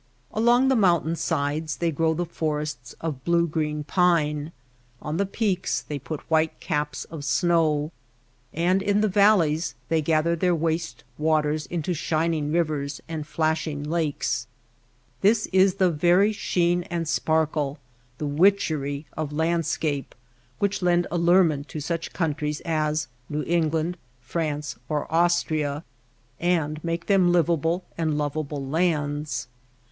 Along the mountain sides they grow the forests of blue green pine, on the peaks they put white caps of snow; and in the valleys they gather their waste waters into shining rivers and flash ing lakes* This is the very sheen and sparkle — the witchery — of landscape which lend allure ment to such countries as New England, France, or Austria, and make them livable and lovable lands.